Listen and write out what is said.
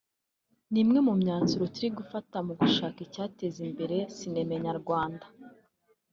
“ni umwe mu myanzuro turi gufata mu gushaka icyateza imbere sinema nyarwanda